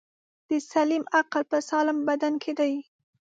دسلیم عقل په سالم بدن کی دی.